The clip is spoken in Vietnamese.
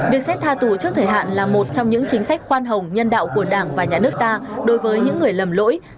việc xét tha tù trước thời hạn là một trong những chính sách khoan hồng nhân đạo của đảng và nhà nước ta đối với những người lầm lỗi